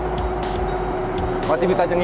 ini adalah alat bantu untuk mengisi